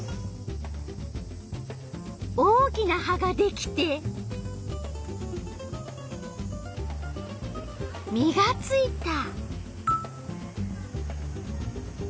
大きな葉ができて実がついた。